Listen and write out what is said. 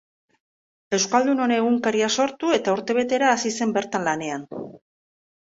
Euskaldunon Egunkaria sortu eta urtebetera hasi zen bertan lanean.